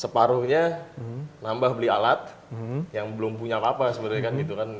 separuhnya nambah beli alat yang belum punya apa apa sebenarnya kan gitu kan